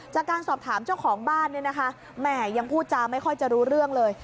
จากการสอบถามเจ้าของบ้านเนี่ยนะคะแหมยังพูดจาไม่ค่อยจะรู้เรื่องเลย